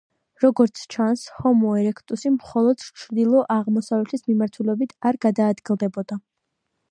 როგორც ჩანს, ჰომო ერექტუსი მხოლოდ ჩრდილო-აღმოსავლეთის მიმართულებით არ გადაადგილდებოდა.